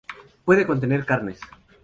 Puede contener carnes.